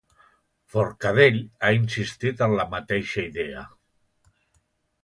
Forcadell ha insistit en la mateixa idea.